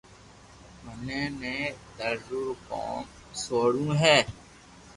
مني بي درزو رون ڪوم سوڙووو ھي